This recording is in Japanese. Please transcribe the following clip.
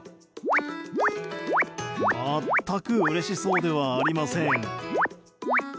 全くうれしそうではありません。